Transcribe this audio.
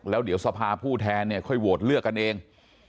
แล้วเดี๋ยวสภาผู้แทนเนี่ยค่อยโหวตเลือกกันเอง